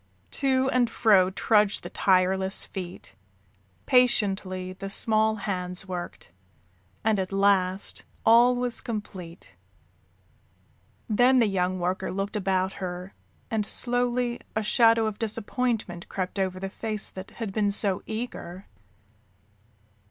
To and fro trudged the tireless feet, patiently the small hands worked, and at last all was complete. Then the young worker looked about her, and slowly a shadow of disappointment crept over the face that had been so eager.